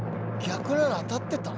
逆なら当たってた？